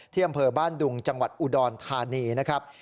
อำเภอบ้านดุงจังหวัดอุดรธานีนะครับ